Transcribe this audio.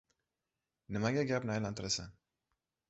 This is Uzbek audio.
— Nimaga gapni aylantirasan?